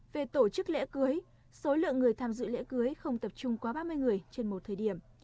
về tổ chức lễ cưới số lượng người tham dự lễ cưới không tập trung quá ba mươi người trên một thời điểm